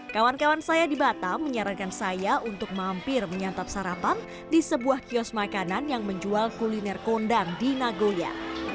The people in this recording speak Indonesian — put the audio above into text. kawan kawan saya di batam menyarankan saya untuk mampir menyantap sarapan di sebuah kios makanan yang menjual kuliner kondang di nagoya